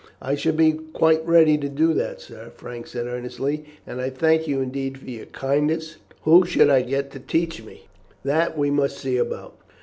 "I should be quite ready to do that, sir," Frank said earnestly, "and I thank you indeed for your kindness. But who should I get to teach me?" "That we must see about.